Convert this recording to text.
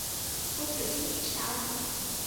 คุณอยู่ที่นี่เช้านี้